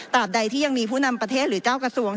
ใดที่ยังมีผู้นำประเทศหรือเจ้ากระทรวง